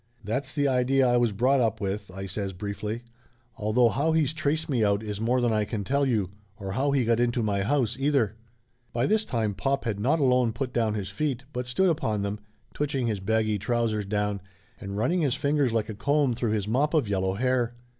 "That's the idea I was brought up with," I says Laughter Limited 239 briefly. "Although how he's traced me out is more than I can tell you; or how he got into my house, either!" By this time pop had not alone put down his feet but stood upon them, twitching his baggy trousers down, and running his fingers like a comb through his mop of yellow hair.